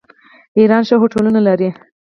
ایران ښه هوټلونه لري.